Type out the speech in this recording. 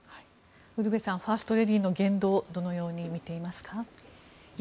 ウルヴェさんファーストレディーの言動をどのように見ていますか。